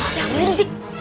aduh jangan resik